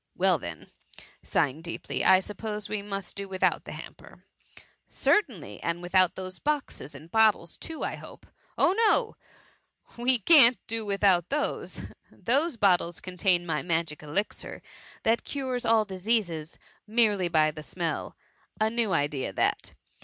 Well, then," sighing deeply, ^^ I suppose we must do without the hamper ?"*^ Certainly ; and without those boxes and bottles too, I hope." *^ Oh no J we can't do without those. Those bottles contain my magic elixir, that cures all diseases merely by the smell :— a new idea that.